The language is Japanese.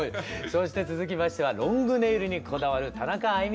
そして続きましてはロングネイルにこだわる田中あいみさんです。